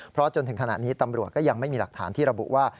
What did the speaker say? เพราะจนถึงขณะนี้ตำรวจก็ยังไม่มีหลักฐานที่ระบุว่า